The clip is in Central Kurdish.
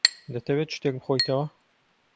دەتەوێت شتێک بخۆیتەوە؟